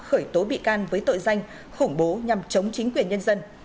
khởi tố bị can với tội danh khủng bố nhằm chống chính quyền nhân dân